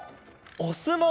おすもう？